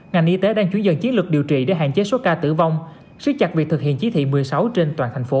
ngành y tế đang chú dần chiến lược điều trị để hạn chế số ca tử vong siết chặt việc thực hiện chỉ thị một mươi sáu trên toàn thành phố